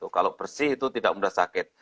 kalau bersih itu tidak mudah sakit